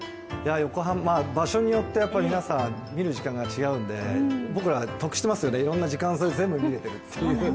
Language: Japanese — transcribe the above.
横浜、場所によって皆さん見る時間が違うので僕ら得してますよね、時間差で見れているという。